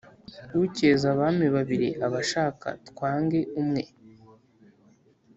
Ucyeza abami babiri aba ashaka twange umwe.